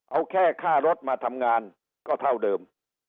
เอาแค่ค่ารถมาทำงานก็เท่าเดิม